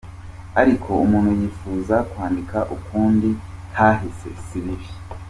Ariko umuntu yipfuza kwandika ukundi kahise si bibi.